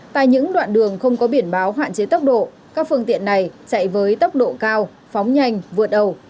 tại những đoạn đường không có biển báo hạn chế tốc độ các phương tiện này chạy với tốc độ cao phóng nhanh vượt ẩu